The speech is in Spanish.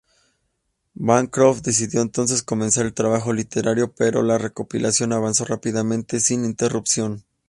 Bancroft decidió entonces comenzar el trabajo literario, pero la recopilación avanzó rápidamente sin interrupción.